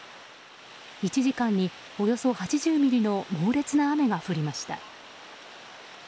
１時間におよそ８０ミリの猛烈な雨が降りました。